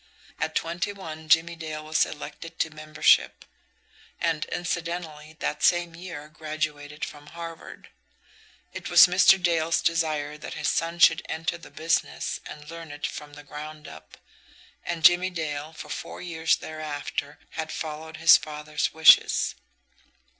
At twenty one Jimmie Dale was elected to membership; and, incidentally, that same year, graduated from Harvard. It was Mr. Dale's desire that his son should enter the business and learn it from the ground up, and Jimmie Dale, for four years thereafter, had followed his father's wishes.